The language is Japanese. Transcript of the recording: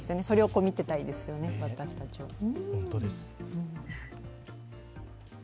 それを見ていたいですよね、私たちは。